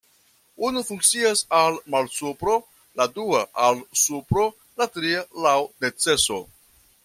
Unu funkcias al malsupro, la dua al supro, la tria laŭ neceso.